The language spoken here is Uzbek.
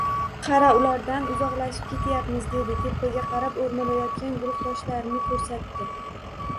Qara, ulardan uzoqlashib ketyapmiz, dedi tepaga qarab o`rmalayotgan guruhdoshlarini ko`rsatdi